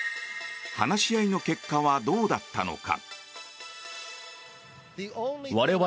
話し合いの結果はどうだったのか。